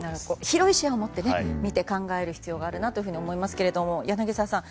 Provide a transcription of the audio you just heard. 広い視野を持って見て考える必要があるなと思いますが柳澤さん